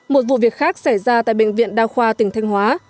một vụ việc khác xảy ra tại bệnh viện đa khoa tỉnh thanh hóa